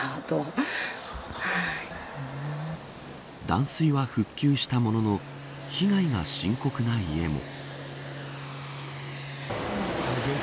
断水は復旧したものの被害が深刻な家も。